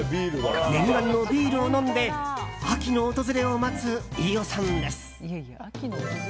念願のビールを飲んで秋の訪れを待つ飯尾さんです。